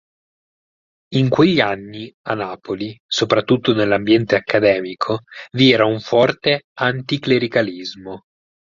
In quegli anni, a Napoli, soprattutto nell'ambiente accademico, vi era un forte anticlericalismo.